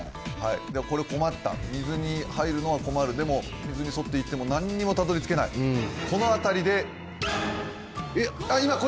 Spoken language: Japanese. はいではこれ困った水に入るのは困るでも水に沿って行っても何にもたどり着けないこの辺りであっ今